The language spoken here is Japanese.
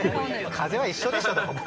風は一緒でしょ、どこも。